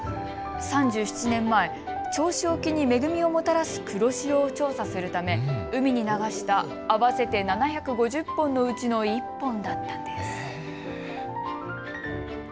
３７年前、銚子沖に恵みをもたらす黒潮を調査するため海に流した合わせて７５０本のうちの１本だったんです。